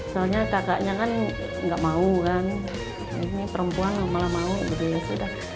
soalnya kakaknya kan gak mau kan ini perempuan malah mau